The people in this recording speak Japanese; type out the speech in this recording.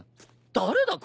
誰だ？